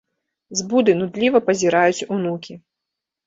З буды нудліва пазіраюць унукі.